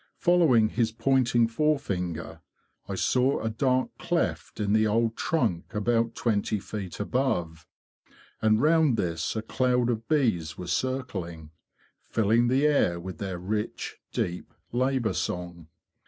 Following his pointing fore finger, I saw a dark cleft in the old trunk about twenty feet above; and round this a cloud of bees was circling, filling the air with their rich deep labour song.